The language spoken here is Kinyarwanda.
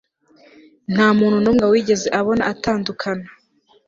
ntamuntu numwe wigeze abona atandukana